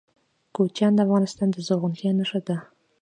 کوچیان د افغانستان د زرغونتیا نښه ده.